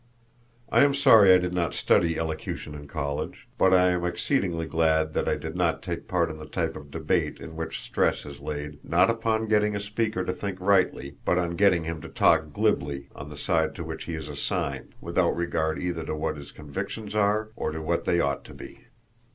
I am sorry I did not study elocution in college; but I am exceedingly glad that I did not take part in the type of debate in which stress is laid, not upon getting a speaker to think rightly, but on getting him to talk glibly on the side to which he is assigned, without regard either to what his convictions are or to what they ought to be.